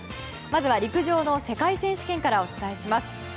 まずは陸上の世界選手権からお伝えします。